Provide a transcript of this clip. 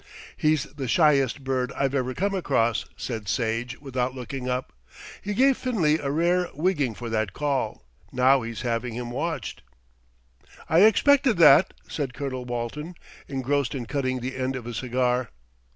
"He's the shyest bird I've ever come across," said Sage without looking up. "He gave Finlay a rare wigging for that call. Now he's having him watched." "I expected that," said Colonel Walton, engrossed in cutting the end of a cigar.